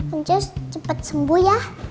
uncus cepet sembuh ya